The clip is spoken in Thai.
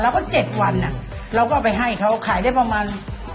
แล้วก็๗วันเราก็ไปให้เขาขายได้ประมาณ